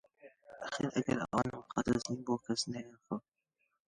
ئاخر ئەگەر ئەوانە موقەدەس نین بۆ کەس نایانخوا؟